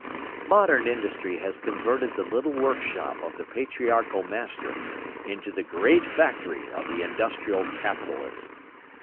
Modern industry has converted the little workshop of the patriarchal master into the great factory of the industrial capitalist.